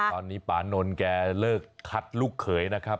ตอนนี้ปานนแกเลิกคัดลูกเขยนะครับ